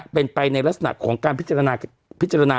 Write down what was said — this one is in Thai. เป็นไปในลักษณะของการพิจารณา